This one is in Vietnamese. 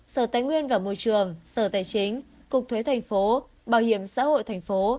sở tài nguyên và môi trường sở tài chính cục thuế thành phố bảo hiểm xã hội thành phố